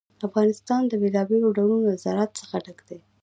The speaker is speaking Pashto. افغانستان د بېلابېلو ډولونو له زراعت څخه ډک دی.